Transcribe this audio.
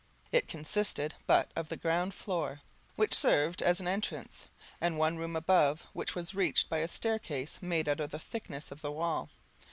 It consisted but of the ground floor, which served as an entrance, and one room above, which was reached by a staircase made out of the thickness of the wall.